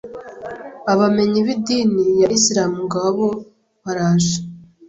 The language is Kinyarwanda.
abamenyi b’idini ya Islam ngabo baraje